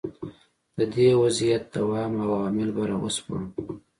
د دې وضعیت دوام او عوامل به را وسپړو.